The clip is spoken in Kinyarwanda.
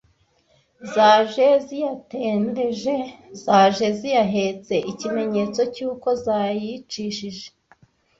Zaje ziyatendeje: Zaje ziyahese (ikimenyetso cy’uko zayicishije).